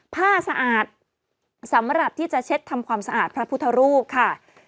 ผ้าสะอาดสำหรับที่จะเช็ดทำความสะอาดพระพุทธรูปค่ะ